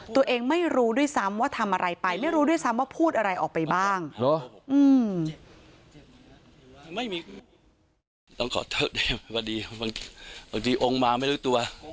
ตัวเองไม่รู้ด้วยซ้ำว่าทำอะไรไปไม่รู้ด้วยซ้ำว่าพูดอะไรออกไปบ้าง